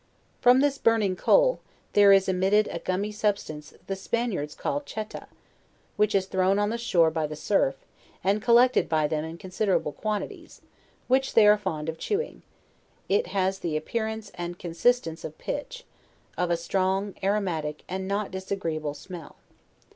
From this burning coal, there is emitted a gummy substance the Spaniards called cheta, which is thrown on the shore by the aurf, and collected by them in considerable quantities, which they are fond of chewing; it has the appearance and consis LEWIS AND CLARKE. 147 tance of pitch, of a strong, aromatic, and not disagreeable smell.